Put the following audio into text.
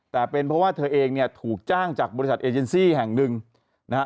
แต่เป็นเพราะว่าเธอเองเนี่ยถูกจ้างจากบริษัทเอเจนซี่แห่งหนึ่งนะฮะ